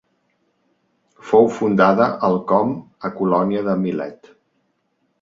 Fou fundada al com a colònia de Milet.